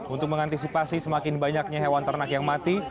untuk mengantisipasi semakin banyaknya hewan ternak yang mati